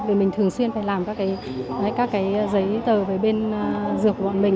vì mình thường xuyên phải làm các cái giấy tờ về bên dược của bọn mình